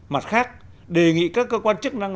mặt khác đề nghị các cơ quan chức năng